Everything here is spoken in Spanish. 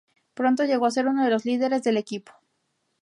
Pronto llegó a ser uno de los líderes del equipo.